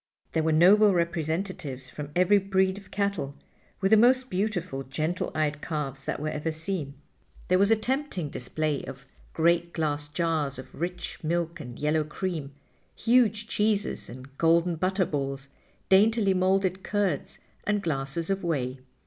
There were noble representatives from every breed of cattle, with the most beautiful, gentle eyed calves that were ever seen. There was a tempting display of great glass jars of rich milk and yellow cream, huge cheeses and golden butter balls, daintily molded curds and glasses of whey.